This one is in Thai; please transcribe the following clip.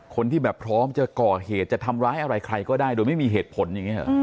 คนที่แบบพร้อมจะก่อเหตุจะทำร้ายอะไรใครก็ได้โดยไม่มีเหตุผลอย่างนี้หรอ